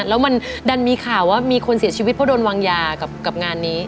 แล้วมันดันมีข่าวว่ามีคนเสียชีวิตเพราะโดนวางยากับงานนี้